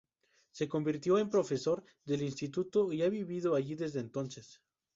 Se convirtió en profesor del instituto y ha vivido allí desde entonces.